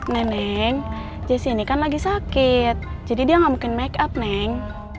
nenek jesse ini kan lagi sakit jadi dia gak mungkin make up neng